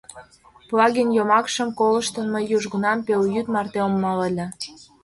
Плагин йомакшым колыштын, мый южгунам пелйӱд марте ом мале ыле.